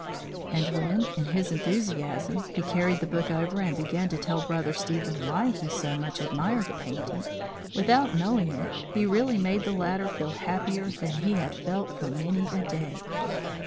And when, in his enthusiasm, he carried the book over and began to tell Brother Stephen why he so much admired the painting, without knowing it, he really made the latter feel happier than he had felt for many a day.